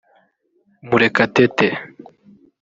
‘Murekatete’